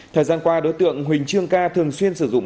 thời gian qua đối tượng huỳnh trương ca thường xuyên sử dụng